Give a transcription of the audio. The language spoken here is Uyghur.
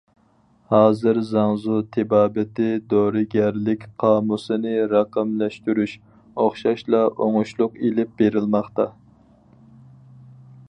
ھازىر زاڭزۇ تېبابىتى دورىگەرلىك قامۇسىنى رەقەملەشتۈرۈش ئوخشاشلا ئوڭۇشلۇق ئېلىپ بېرىلماقتا.